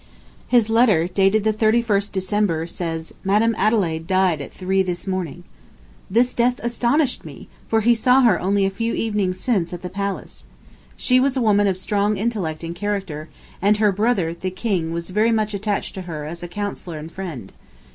His letter, dated the 31st December, says: "Madam Adelaide died at three this morning." This death astonished me, for he saw her only a few evenings since at the Palace. She was a woman of strong intellect and character, and her brother, the King, was very much attached to her as a counsellor and friend.